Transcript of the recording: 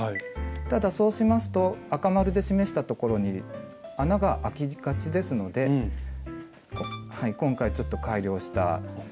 ただそうしますと赤丸で示したところに穴があきがちですので今回ちょっと改良した。